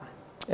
ya kalau itu ya